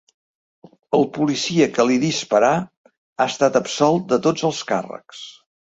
El policia que li disparà ha estat absolt de tots els càrrecs.